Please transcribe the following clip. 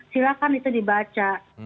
silahkan itu dibaca